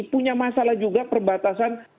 punya masalah juga perbatasan